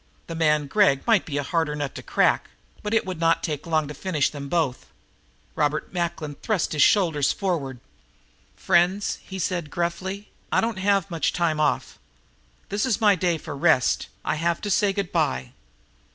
The man Gregg might be a harder nut to crack, but it would not take long to finish them both. Robert Macklin thrust his shoulders forward. "Friends," he said gruffly, "I don't have much time off. This is my day for rest. I have to say good by."